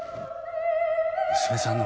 娘さんの方？